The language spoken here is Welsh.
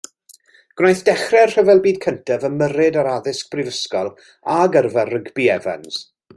Gwnaeth dechrau'r Rhyfel Byd Cyntaf ymyrryd ar addysg brifysgol a gyrfa rygbi Evans.